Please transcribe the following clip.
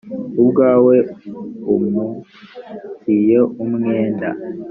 ubwawe um tiye umwenda